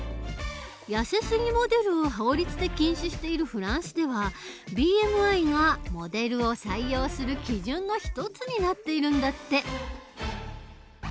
やせすぎモデルを法律で禁止しているフランスではＢＭＩがモデルを採用する基準の一つになっているんだって。